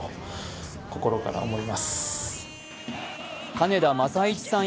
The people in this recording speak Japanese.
金田正一さん